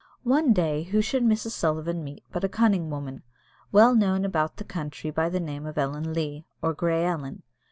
One day who should Mrs. Sullivan meet but a cunning woman, well known about the country by the name of Ellen Leah (or Grey Ellen).